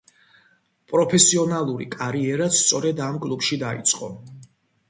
პროფესიონალური კარიერაც სწორედ ამ კლუბში დაიწყო.